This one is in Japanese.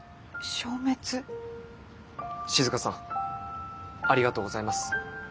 静さんありがとうございます。